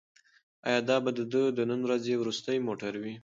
ایا دا به د ده د نن ورځې وروستی موټر وي؟